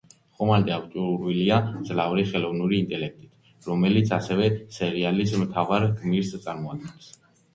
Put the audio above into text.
ხომალდი აღჭურვილია მძლავრი ხელოვნული ინტელექტით, რომელიც ასევე სერიალის მთავარ გმირს წარმოადგენს.